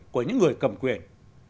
của những người cầm quyền